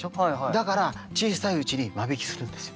だから小さいうちに間引きするんですよ。